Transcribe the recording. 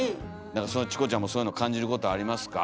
なんかチコちゃんもそういうの感じることありますか？